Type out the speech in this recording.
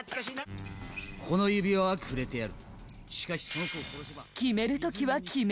この指輪はくれてやる。